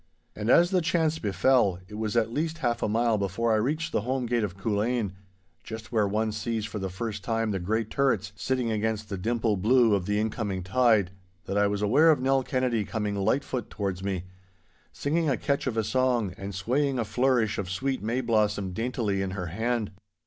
And, as the chance befell, it was at least half a mile before I reached the home gate of Culzean, just where one sees for the first time the grey turrets sitting against the dimpled blue of the incoming tide, that I was aware of Nell Kennedy coming light foot towards me, singing a catch of a song and swaying a flourish of sweet may blossom daintily in her hand.